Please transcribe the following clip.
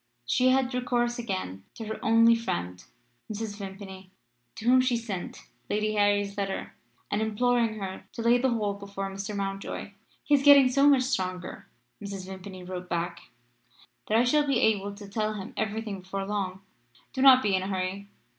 She had recourse again to her only friend Mrs. Vimpany to whom she sent Lady Harry's letter, and imploring her to lay the whole before Mr. Mountjoy. "He is getting so much stronger," Mrs. Vimpany wrote back, "that I shall be able to tell him every thing before long. Do not be in a hurry.